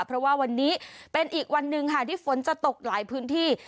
เพราะว่าวันนี้เป็นอีกวันหนึ่งค่ะที่ฝนจะตกหลายพื้นที่